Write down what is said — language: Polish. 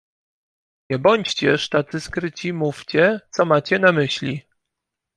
"Nie bądźcież tacy skryci, mówcie co macie na myśli."